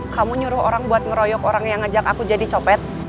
kamu nyuruh orang buat ngeroyok orang yang ngajak aku jadi copet